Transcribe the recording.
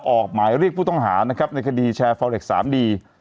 ออกหมายเรียกผู้ต้องหานะครับในคดีแชร์ฟอเล็กซ์๓ดี